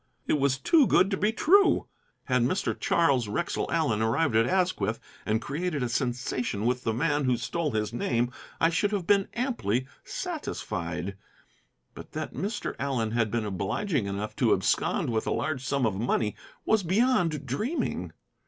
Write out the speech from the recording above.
It was too good to be true. Had Mr. Charles Wrexell Allen arrived at Asquith and created a sensation with the man who stole his name I should have been amply satisfied. But that Mr. Allen had been obliging enough to abscond with a large sum of money was beyond dreaming!